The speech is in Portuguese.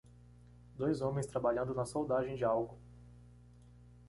Dois homens trabalhando na soldagem de algo.